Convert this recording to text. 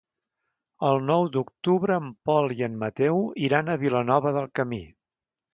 El nou d'octubre en Pol i en Mateu iran a Vilanova del Camí.